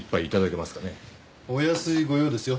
お安いご用ですよ。